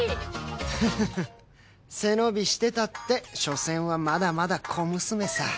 フフフ背伸びしてたって所詮はまだまだ小娘さ。